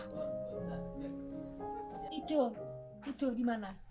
tidur tidur di mana